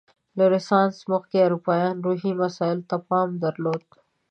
له رنسانس مخکې اروپا روحي مسایلو ته پام درلود.